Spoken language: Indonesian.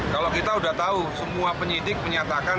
kalau kita sudah tahu semua penyidik menyatakan